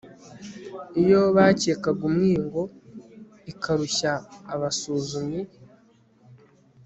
Iyo bakekaga umwingo ikarushya abasuzumyi